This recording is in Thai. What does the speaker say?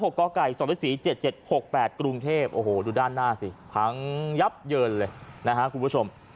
กรุงเทพโอ้โหดูด้านหน้าสิพังยับเยินเลยนะฮะคุณผู้ชม